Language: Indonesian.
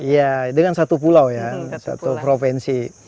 ya dengan satu pulau ya satu provinsi